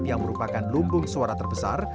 yang merupakan lumbung suara terbesar